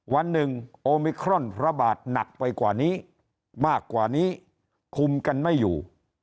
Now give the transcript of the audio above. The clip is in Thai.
วันหนึ่งโอมิครอนพระบาทหนักไปกว่านี้มากกว่านี้คุมกันไม่อยู่